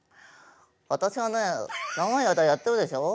私はね長い間やってるでしょう？